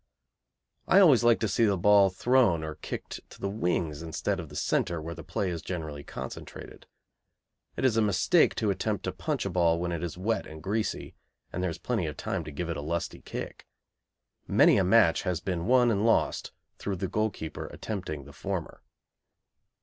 I always like to see the ball thrown or kicked to the wings instead of the centre, where the play is generally concentrated. It is a mistake to attempt to punch a ball when it is wet and greasy and there is plenty of time to give it a lusty kick. Many a match has been won and lost through the goalkeeper attempting the former.